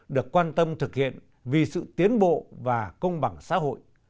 được quan tâm thực hiện vì sự tiến bộ và công bằng xã hội